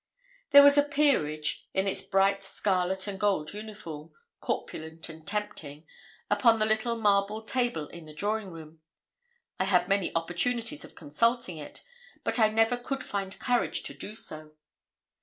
There was a 'Peerage,' in its bright scarlet and gold uniform, corpulent and tempting, upon the little marble table in the drawing room. I had many opportunities of consulting it, but I never could find courage to do so.